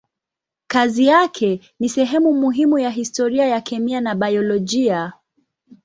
Kazi yake ni sehemu muhimu ya historia ya kemia na biolojia.